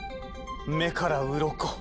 目からうろこ。